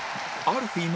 アルフィー。